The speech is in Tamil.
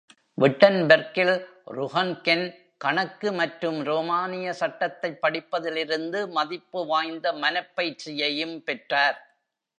விட்டன்பெர்க்கில் ருஹன்கென், கணக்கு மற்றும் ரோமானிய சட்டத்தைப் படிப்பதில் இருந்து மதிப்பு வாய்ந்த மனப் பயிற்சியையும் பெற்றார்.